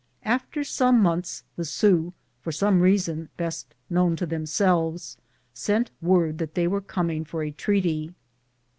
After some months the Sioux, for some reason best known to them selves, sent word that they were coming for a treaty.